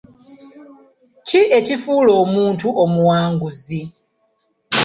Ki ekifuula omuntu omuwanguzi?